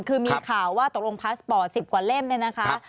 คือมีข่าวว่าตกลงพาสปอร์ต๑๐กว่าเล่มเนี่ยนะคะ